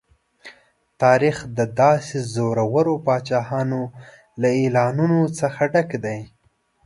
تاریخ د داسې زورورو پاچاهانو له اعلانونو څخه ډک دی.